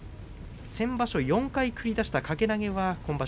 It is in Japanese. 先場所４回繰り出した掛け投げは今場所